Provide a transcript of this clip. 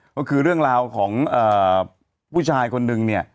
ก็คือเรื่องราวของผู้ชายคนนึงเนี่ย